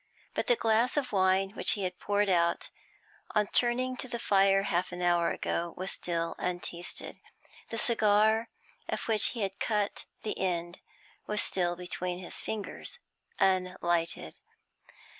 But the glass of wine which he had poured out, on turning to the fire half an hour ago, was still untasted, the cigar, of which he had cut the end, was still between his fingers, unlighted.